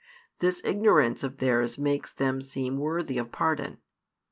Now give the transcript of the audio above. This ignorance of theirs makes them seem worthy of pardon.